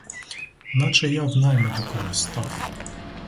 Наче я в найми до кого став!